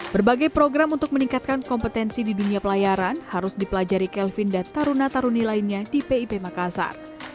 berbagai program untuk meningkatkan kompetensi di dunia pelayaran harus dipelajari kelvin dan taruna taruni lainnya di pip makassar